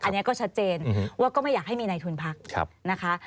อันนี้ก็ชัดเจนว่าก็ไม่อยากให้มีในทุนพักนะคะ